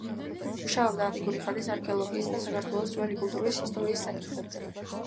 მუშაობდა ანტიკური ხანის არქეოლოგიის და საქართველოს ძველი კულტურის ისტორიის საკითხებზე.